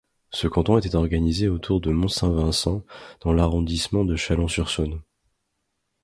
Ce canton était organisé autour de Mont-Saint-Vincent dans l'arrondissement de Chalon-sur-Saône.